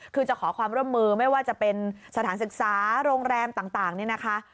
คือจะขอความร่วมมือไม่ว่าจะเป็นสถานศึกษาโรงแรมต่างนี่นะคะ